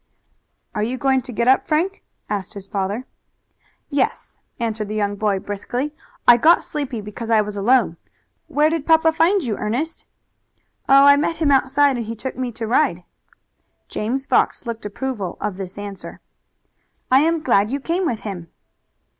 "Are you going to get up, Frank?" asked his father. "Yes," answered the young boy briskly. "I got sleepy because I was alone. Where did papa find you, Ernest?" "Oh, I met him outside and he took me to ride." James Fox looked approval of this answer. "I am glad you came with him."